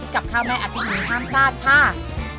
กลับเข้าแม่อาทิตย์นี้ท่ามพลาดท่า